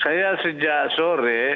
saya sejak sore